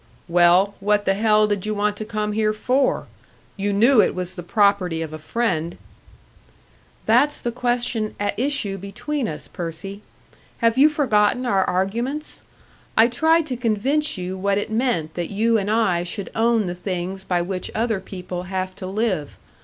"Well, what the hell did you want to come here for? You knew it was the property of a friend " "That's the question at issue between us, Percy. Have you forgotten our arguments? I tried to convince you what it meant that you and I should own the things by which other people have to live.